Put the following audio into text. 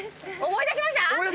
思い出しました？